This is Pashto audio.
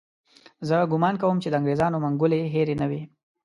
زه ګومان کوم چې د انګریزانو منګولې هېرې نه وي.